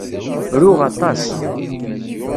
Ruɣ aṭas.